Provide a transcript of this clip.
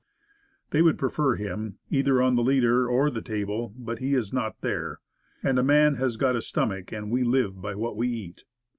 They would prefer him, either on the leader or the table; but he is not there; "And a man has got a stomach, and we live by what we eat."